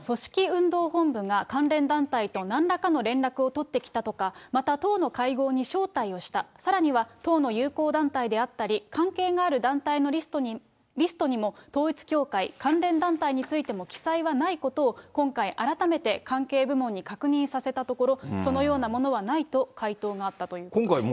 運動本部が関連団体となんらかの連絡を取ってきたとか、また党の会合に招待をした、さらには党の友好団体であったり、関係がある団体のリストにも統一教会、関連団体についても記載はないことを、今回改めて関係部門に確認させたところ、そのようなものはないと回答があったということです。